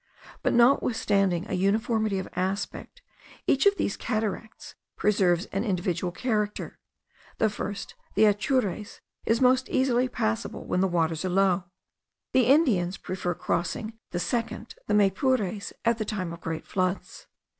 But, notwithstanding a uniformity of aspect, each of these cataracts preserves an individual character. The first, the Atures, is most easily passable when the waters are low. The Indians prefer crossing the second, the Maypures, at the time of great floods.